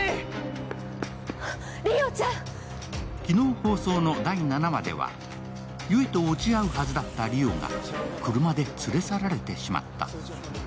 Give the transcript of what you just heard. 昨日放送の第７話では、悠依と落ち合うはずだった莉桜が車で連れ去られてしまった。